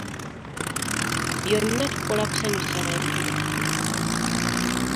Byonna tukola kusanyusa bantu baffe.